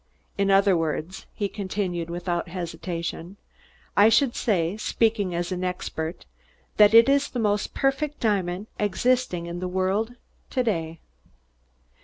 In other words," he continued without hesitation, "I should say, speaking as an expert, that it is the most perfect diamond existing in the world to day."